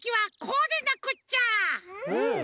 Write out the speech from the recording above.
うん！